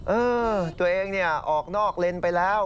เออตัวเองเนี่ยออกนอกเลนไปแล้ว